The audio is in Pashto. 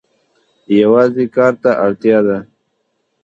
یوازې کار ته اړتیا ده.